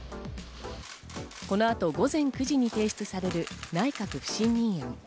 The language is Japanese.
この後、午前９時に提出される内閣不信任案。